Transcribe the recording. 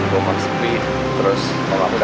rumah sepi terus kalo aku